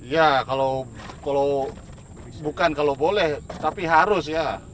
ya kalau bukan kalau boleh tapi harus ya